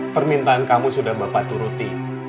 permintaan kamu sudah bapak turuti